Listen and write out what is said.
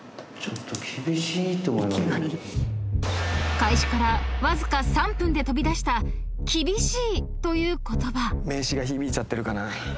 ［開始からわずか３分で飛び出した「厳しい」という言葉］